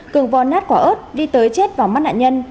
cường vò nát quả ớt đi tới chết vào mắt nạn nhân